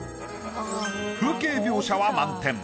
風景描写は満点。